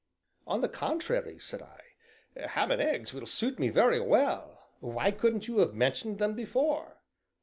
"On the contrary," said I, "ham and eggs will suit me very well; why couldn't you have mentioned them before?"